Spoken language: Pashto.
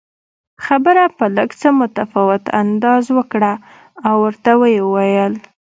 خبره په لږ څه متفاوت انداز وکړه او ورته ویې ویل